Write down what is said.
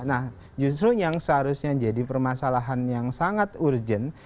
nah justru yang seharusnya jadi permasalahan yang sangat urgent